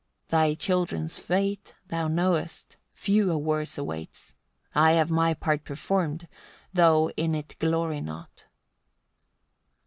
81. Thy children's fate thou knowest, few a worse awaits. I have my part performed, though in it glory not.